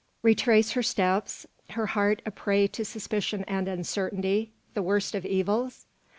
Retrace her steps, her heart a prey to suspicion and uncertainty, the worst of evils?